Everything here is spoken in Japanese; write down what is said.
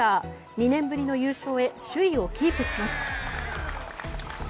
２年ぶりの優勝へ首位をキープします。